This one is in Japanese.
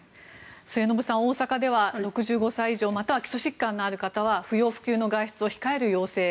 末延さん、大阪では６５歳以上、基礎疾患のある方は不要不急の外出を控える要請